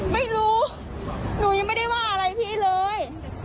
ไม่รู้หนูยังไม่ได้ว่าอะไรพี่เลย